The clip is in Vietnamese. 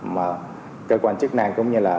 mà cơ quan chức năng cũng như là